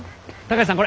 高橋さん